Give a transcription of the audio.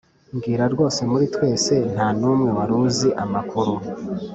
mbwira rwose muri twese ntanumwe waruzi amakuru